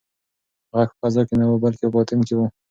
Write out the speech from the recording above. غږ په فضا کې نه و بلکې په باطن کې و.